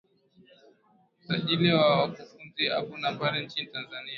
msajili na wakufunzi hapa na pale nchini tanzania